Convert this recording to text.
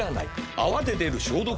「泡で出る消毒液」は。